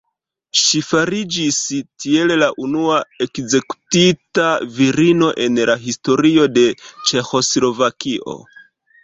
Ŝi fariĝis tiel la unua ekzekutita virino en la historio de Ĉeĥoslovakio.